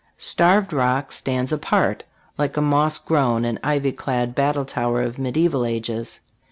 Starved Rock stands apart, like a moss grown and ivy clad battle tower of mediaeval ages.